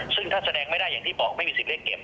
ซึ่งถ้าแสดงไม่ได้อย่างที่บอกไม่มีสิทธิเล่นเกม